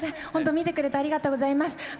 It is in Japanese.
本当、見てくれてありがとうございます。